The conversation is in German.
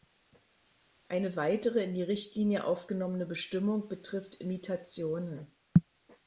Eine weitere in die Richtlinie aufgenommene Bestimmung betrifft Imitationen.